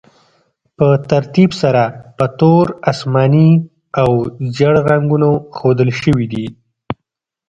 په ترتیب سره په تور، اسماني او ژیړ رنګونو ښودل شوي دي.